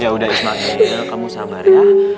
ya udah ismail kamu sabar ya